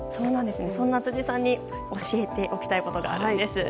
そんな辻さんに教えておきたいことがあるんです。